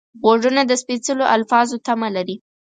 غوږونه د سپېڅلو الفاظو تمه لري